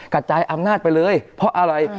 กระจายอำนาจไปเลยเพราะอะไร